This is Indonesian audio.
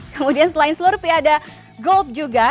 kemudian selain slurpee ada gulp juga